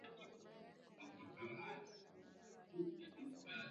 e huru ya uchanguzi ina wajibu wa kutangaza matokeo hayo ya awali